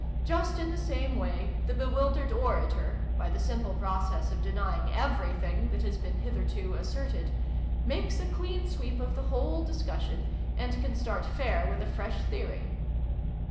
Just in the same way the bewildered orator, by the simple process of denying everything that has been hitherto asserted, makes a clean sweep of the whole discussion, and can ' start fair' with a fresh theory.